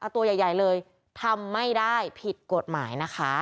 ตัวใหญ่เลยทำไม่ได้ผิดกฎหมายนะคะ